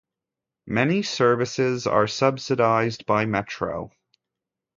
Many services are subsidised by Metro.